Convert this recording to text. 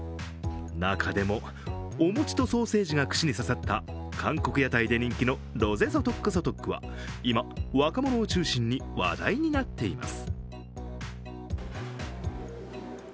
中でも、お餅とソーセージが串に刺さった韓国屋台で人気のロゼソトックソトックは今、若者を中心に話題になっています。